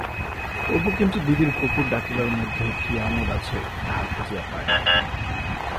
অপু কিন্তু দিদির কুকুর ডাকিবার মধ্যে কি আমোদ আছে তাহা খুঁজিয়া পায় না।